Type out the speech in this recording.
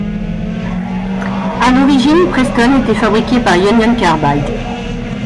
À l'origine, Prestone était fabriqué par Union Carbide.